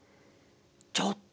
ちょっと！